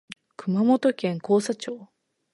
熊本県甲佐町